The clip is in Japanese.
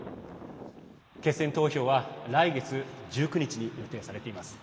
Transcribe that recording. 決選投票は来月１９日に予定されています。